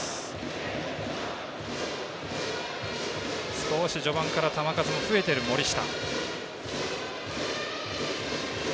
少し序盤から球数が増えている森下。